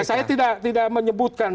ya saya tidak menyebutkan